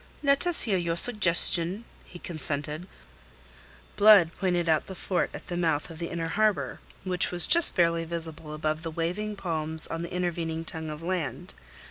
"Let us hear your suggestion," he consented. Blood pointed out the fort at the mouth of the inner harbour, which was just barely visible above the waving palms on the intervening tongue of land.